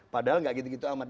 padahal nggak gitu gitu amat